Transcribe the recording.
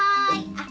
あっ。